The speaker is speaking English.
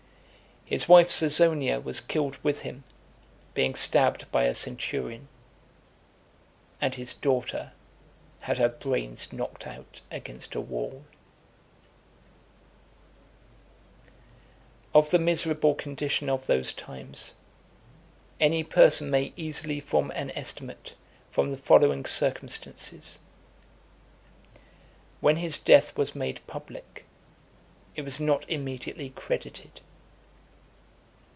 His wife Caesonia was killed with him, being stabbed by a centurion; and his daughter had her brains knocked out against a wall. LX. Of the miserable condition of those times, any person (292) may easily form an estimate from the following circumstances. When his death was made public, it was not immediately credited.